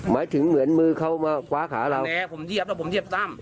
หมายถึงเหมือนมือเข้ามาคว้าขาเราเน่ผมหยีบแหละผมเหยียบสามอ๋อ